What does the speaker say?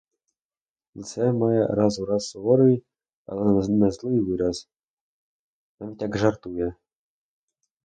Лице має раз у раз суворий, але не злий вираз, навіть як жартує.